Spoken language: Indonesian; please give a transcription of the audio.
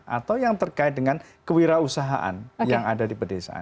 atau yang terkait dengan kewirausahaan yang ada di pedesaan